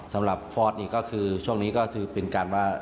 สำหรับฟอร์สนี่ก็คือช่วงนี้ก็คือเป็นการว่า